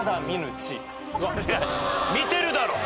見てるだろ！